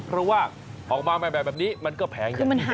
เพราะว่าออกมาใหม่แบบนี้มันก็แพงอย่างนี้แหละ